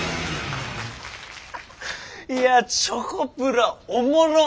いやチョコプラおもろ！